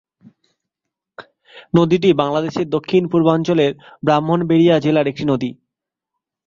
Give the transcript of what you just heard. নদীটি বাংলাদেশের দক্ষিণ-পূর্বাঞ্চলের ব্রাহ্মণবাড়িয়া জেলার একটি নদী।